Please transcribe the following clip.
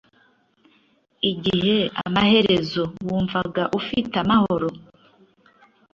igihe amaherezo wumvaga ufite amahoro